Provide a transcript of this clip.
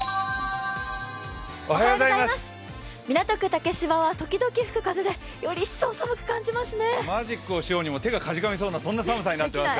港区竹芝は時々吹く風でより一層寒く感じますね。